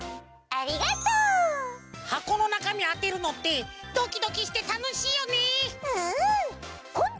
ありがとう！はこのなかみあてるのってドキドキしてたのしいよね！